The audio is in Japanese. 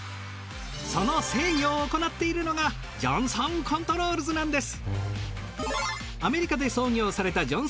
その制御を行っているのがジョンソンコントロールズなんです。